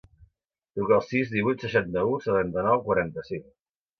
Truca al sis, divuit, seixanta-u, setanta-nou, quaranta-cinc.